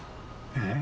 えっ？